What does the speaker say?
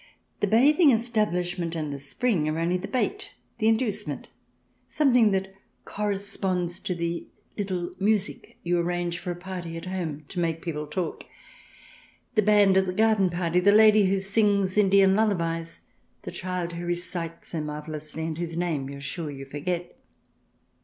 The bathing establishment and the spring are only the bait, the inducement, something that corresponds to the " little music " you arrange for a party at home, to make people talk — the band at a garden party, the lady who sings Indian lullabies, the child who recites so marvellously, and whose name you are sure you forget.